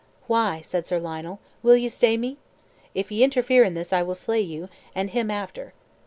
"Why," said Sir Lionel, "will ye stay me? If ye interfere in this I will slay you, and him after."